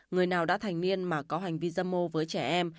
người nào đã thành niên mà có hành vi dâm mô với trẻ em